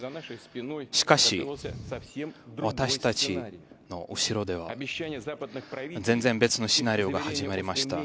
しかし、私たちの後ろでは全然別のシナリオが始まりました。